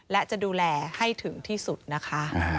และจะดูแลให้ถึงที่สุดนะคะ